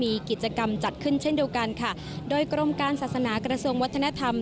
มีกิจกรรมจัดขึ้นเช่นเดียวกันค่ะโดยกรมการศาสนากระทรวงวัฒนธรรม